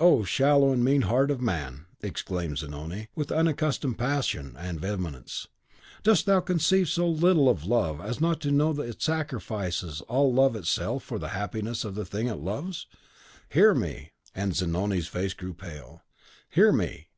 "Oh, shallow and mean heart of man!" exclaimed Zanoni, with unaccustomed passion and vehemence, "dost thou conceive so little of love as not to know that it sacrifices all love itself for the happiness of the thing it loves? Hear me!" And Zanoni's face grew pale. "Hear me!